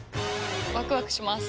ワクワクします。